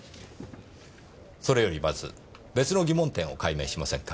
それよりまず別の疑問点を解明しませんか？